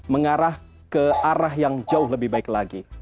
mengarah ke arah yang jauh lebih baik lagi